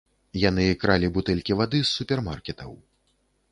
Яны кралі бутэлькі вады з супермаркетаў.